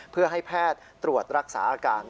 เพื่อให้แพทย์ตรวจรักษาอาการ